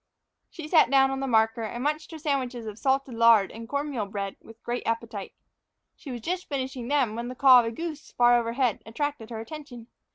She sat down on the marker and munched her sandwiches of salted lard and corn meal bread with great appetite. She was just finishing them when the call of a goose far overhead attracted her attention.